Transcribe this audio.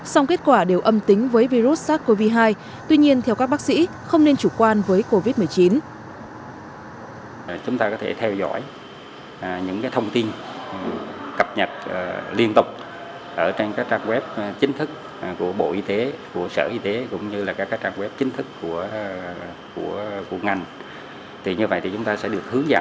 xong kết quả đều âm tính với virus sars cov hai tuy nhiên theo các bác sĩ không nên chủ quan với covid một mươi chín